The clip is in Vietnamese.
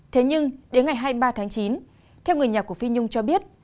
thế nhưng đến ngày hai mươi ba tháng chín theo người nhà của phi nhung cho biết